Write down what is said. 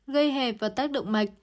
gây hẹp và tác động mạch